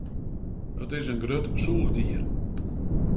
It is in grut sûchdier.